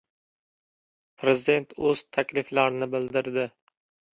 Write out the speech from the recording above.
Prezident o‘z takliflarini bildirdi